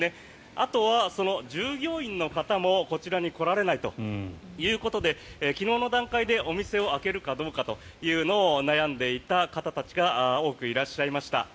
あとは従業員の方もこちらに来られないということで昨日の段階でお店を開けるかどうかというのを悩んでいた方たちが多くいらっしゃいました。